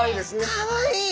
かわいい！